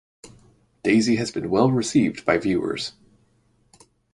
Daisy has been well received by viewers.